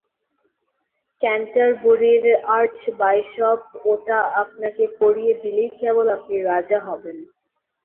ক্যান্টারবুরির archbishop ওটা আপনাকে পরিয়ে দিলেই কেবল আপনি রাজা হবেন।